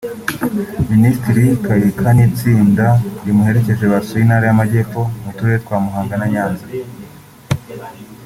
Minisitiri Kaika n’itisnda rimuherekeje basuye Intara y’Amajyepfo mu turere twa Muhanga na Nyanza